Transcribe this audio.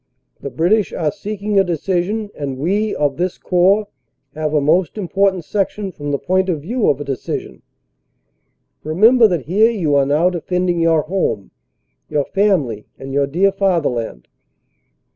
The British are seeking a decision and we, of this Corps, have a most important section from the point of view of 252 CANADA S HUNDRED DAYS a decision. Remember that here you are now defending your home, your family and your dear Fatherland.